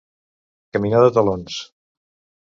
Caminar de talons.